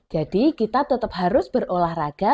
jadi kita tetap harus berolahraga